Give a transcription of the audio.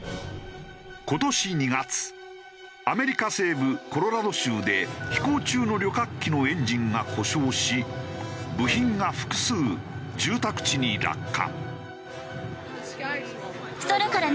今年２月アメリカ西部コロラド州で飛行中の旅客機のエンジンが故障し部品が複数住宅地に落下。